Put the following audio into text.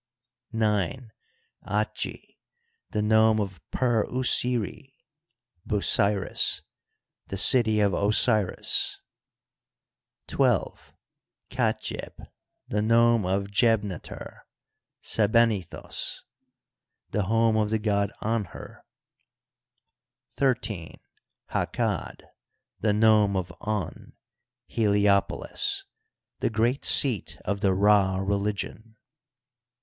IX. A^/t, the nome of Per Usiri {Bustrts), the city of Osirts, Xll. Katjeb, the nome of Tjebneter {Sebennythos), the home of the god Anhur, XIII. Ha kad, the nome of On {Heh'opolts), the great seat of the Rd religion.